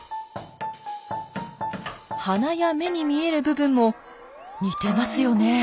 鼻や目に見える部分も似てますよね。